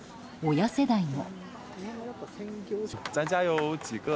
親世代も。